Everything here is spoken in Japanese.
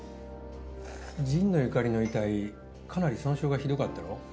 神野由香里の遺体かなり損傷が酷かったろ。